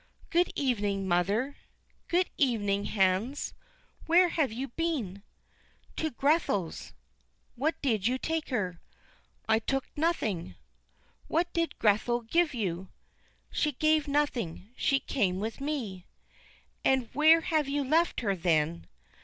"Good evening, mother." "Good evening, Hans. Where have you been?" "To Grethel's." "What did you take her?" "I took nothing." "What did Grethel give you?" "She gave nothing; she came with me." "And where have you left her, then?"